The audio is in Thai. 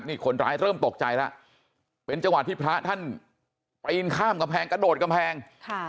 นี่คนร้ายเริ่มตกใจแล้วเป็นจังหวะที่พระท่านปีนข้ามกำแพงกระโดดกำแพง